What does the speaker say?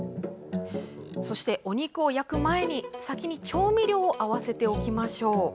そして、お肉を焼く前に先に調味料を合わせておきましょう。